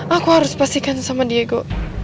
aku harus pastikan sama diego